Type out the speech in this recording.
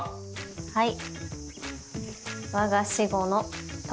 はい。